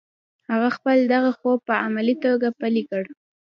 هغه خپل دغه خوب په عملي توګه پلی کړ